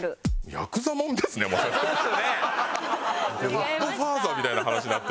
『ゴッドファーザー』みたいな話に。